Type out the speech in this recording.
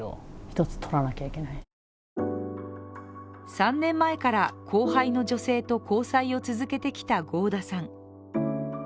３年前から後輩の女性と交際を続けてきた合田さん。